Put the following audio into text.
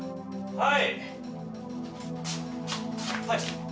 はい。